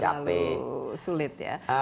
harusnya tidak terlalu sulit ya